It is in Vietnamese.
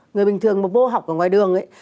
người bình thường vô học ở ngoài đường ấy